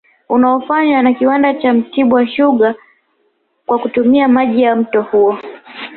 Unaofanywa na Kiwanda cha Mtibwa sukari kwa kutumia maji ya mto huo